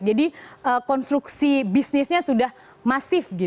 jadi konstruksi bisnisnya sudah masif